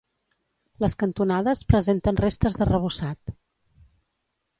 Les cantonades presenten restes d'arrebossat.